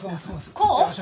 こう？